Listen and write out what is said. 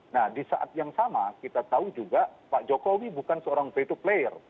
nah di saat yang sama kita tahu juga pak jokowi bukan seorang play to player